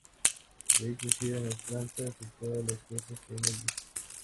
De ahí crecieron las plantas y todas las cosas que hemos visto.